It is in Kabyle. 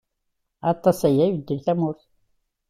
Aṭas aya i ibeddel tamurt.